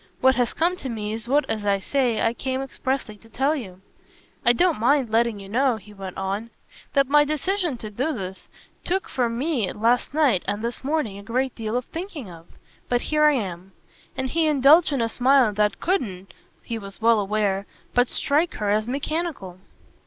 "What has come to me is what, as I say, I came expressly to tell you. I don't mind letting you know," he went on, "that my decision to do this took for me last night and this morning a great deal of thinking of. But here I am." And he indulged in a smile that couldn't, he was well aware, but strike her as mechanical.